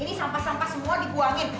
ini sampah sampah semua dibuangin